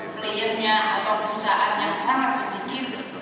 playernya atau perusahaan yang sangat sedikit